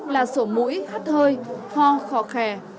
là sổ mũi hắt hơi ho khò khè